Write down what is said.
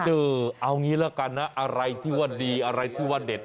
เออเอางี้ละกันนะอะไรที่ว่าดีอะไรที่ว่าเด็ด